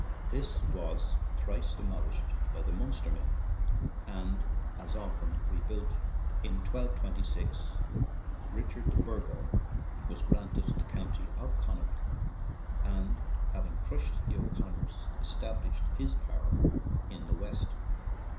This was thrice de molished by the Munster men, and as often rebuilt. In 1226, Richard de Burgo was granted the country of Connaught, and, having crushed the O'Connors, es tablished his power in the West.